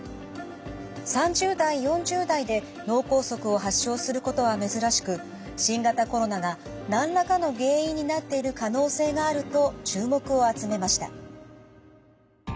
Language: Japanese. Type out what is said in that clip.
３０代４０代で脳梗塞を発症することは珍しく新型コロナが何らかの原因になっている可能性があると注目を集めました。